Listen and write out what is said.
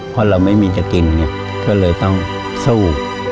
เพราะเราไม่มีจะกินก็เลยต้องสู้